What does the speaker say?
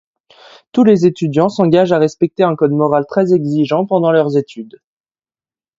Tous les étudiants s'engagent à respecter un code moral très exigeant pendant leurs études.